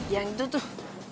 yang itu tuh